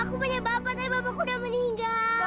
aku punya bapak tapi bapakku udah meninggal